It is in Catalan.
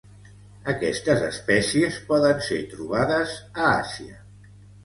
Aquestes espècies poden ser trobades a Àsia.